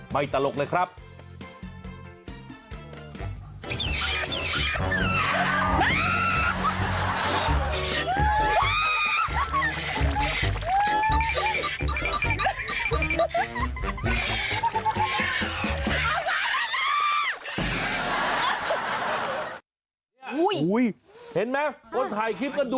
วิทยาลัยศาสตร์อัศวิทยาลัยศาสตร์